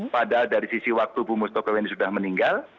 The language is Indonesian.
pada dari sisi waktu pumus tokoweni sudah meninggal